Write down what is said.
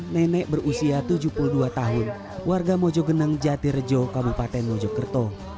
nenek berusia tujuh puluh dua tahun warga mojogenang jatirejo kabupaten mojokerto